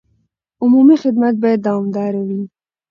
عمومي خدمت باید دوامداره وي.